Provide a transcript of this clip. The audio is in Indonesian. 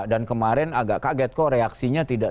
dan kemarin agak kaget kok reaksinya tidak